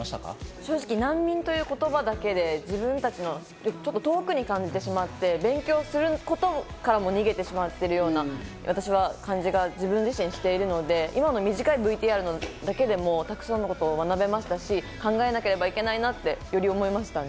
難民という言葉だけで自分から遠くに感じてしまって、勉強することからも逃げてしまっているような感じが、自分自身しているので、今の短いＶＴＲだけでもたくさんのことを学べましたし、考えなければいけないなって、より思いました。